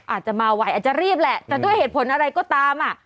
อาจจะมาไหวอาจจะรีบแหละแต่ด้วยเหตุผลอะไรก็ตามอ่ะ